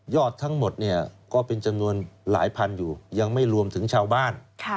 อดทั้งหมดเนี่ยก็เป็นจำนวนหลายพันอยู่ยังไม่รวมถึงชาวบ้าน